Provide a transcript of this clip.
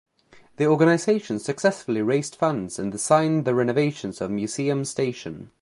The organization successfully raised funds and designed the renovations of Museum Station.